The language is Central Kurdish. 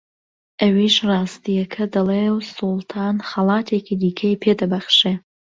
ئەویش ڕاستییەکە دەڵێ و سوڵتان خەڵاتێکی دیکەی پێ دەبەخشێ